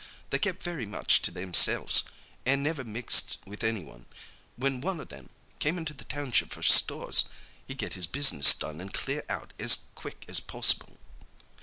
They kept very much to themselves, an' never mixed with anyone—when one o' them came into the township for stores he'd get his business done an' clear out as quick as possible.